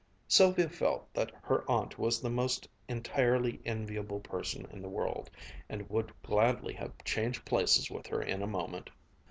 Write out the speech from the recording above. Sylvia felt that her aunt was the most entirely enviable person in the world, and would gladly have changed places with her in a moment.